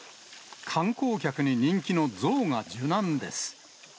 観光客に人気の象が受難です。